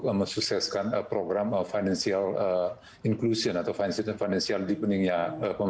untuk sukseskan program financial inclusion atau financial di peningnya pemerintah